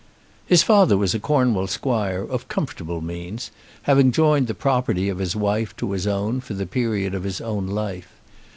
His father was a Cornwall squire of comfortable means, having joined the property of his wife to his own for the period of his own life.